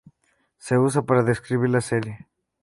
Se usa para describir la serie.